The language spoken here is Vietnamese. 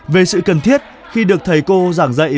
về sự cần thiết khi được thầy cô giảng dạy